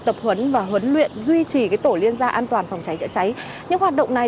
vận động và huấn luyện duy trì cái tổ liên gia an toàn phòng cháy chữa cháy những hoạt động này